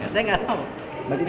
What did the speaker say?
saya nggak tahu